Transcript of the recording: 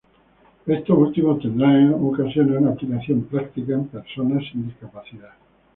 Estos últimos tendrán en ocasiones una aplicación práctica en personas sin discapacidad.